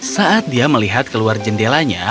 saat dia melihat keluar jendelanya